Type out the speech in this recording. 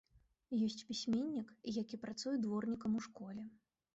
Ёсць пісьменнік, які працуе дворнікам у школе.